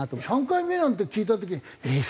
３回目なんて聞いた時えっ